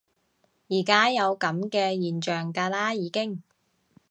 而家有噉嘅現象㗎啦已經